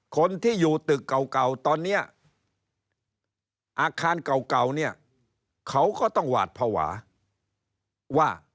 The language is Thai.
คนที่อยู่ตึกเก่าตอนนี้อาคารเก่าเนี่ยเขาก็ต้องหวาดภาวะว่า